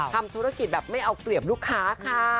ทำธุรกิจแบบไม่เอาเปรียบลูกค้าค่ะ